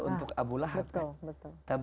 untuk abu lahab kan betul betul